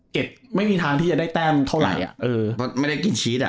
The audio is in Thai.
เก็บไม่มีทางที่จะได้แต้มเท่าไหร่